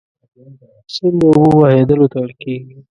سیند د اوبو بهیدلو ته ویل کیږي.